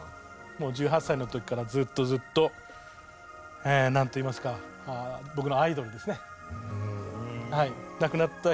もう１８歳の時からずっとずっとなんといいますか僕のアイドルですね。